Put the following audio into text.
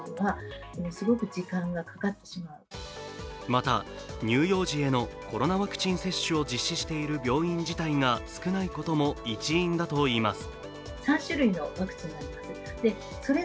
また乳幼児へのコロナワクチン接種を実施している病院自体が少ないことも一因だといいます。